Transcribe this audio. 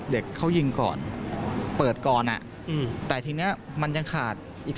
เด็กเขายิงก่อนเปิดก่อนแต่ทีนี้มันยังขาดอีก